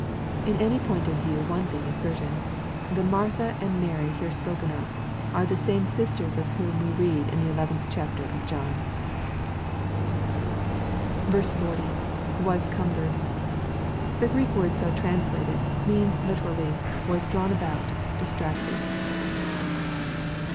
" In any point of view one thing is certain. The Martha and Mary here spoken of, are the same sisters of whom we read in the eleventh chapter of John. iO. —[ Was curnbered.] The Greek word so translated, means literally, '* was drawn about, distracted."